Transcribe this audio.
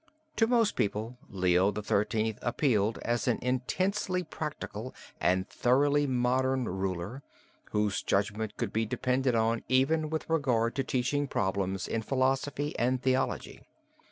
To most people Leo XIII. appealed as an intensely practical and thoroughly modern ruler, whose judgment could be depended on even with regard to teaching problems in philosophy and theology.